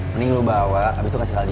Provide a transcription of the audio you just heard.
mending lu bawa abis itu kasih ke aldina